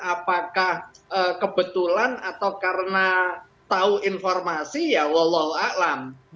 apakah kebetulan atau karena tahu informasi ya wallahualam